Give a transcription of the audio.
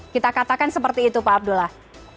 kita katakan seperti itu pak abdullah